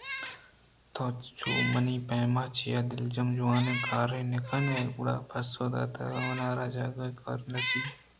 تو چو منی پیما چیا دلجم ءُ جوٛانیں کارے نہ کنئے؟ گُرک ءَ پسّہ دات اگاں منارا جاگہے کارے بہ رسیت